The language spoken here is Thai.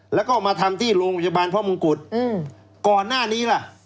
แล้วก็มาทำที่โรงพยาบาลพระมงกุฎก่อนหน้านี้ล่ะ